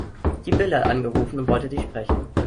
Sibylle hat angerufen und wollte dich sprechen.